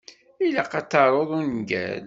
Ilaq ad taruḍ ungal.